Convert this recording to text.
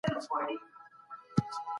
موږ په ګډه یو ښکلي باغچه جوړه کړې ده.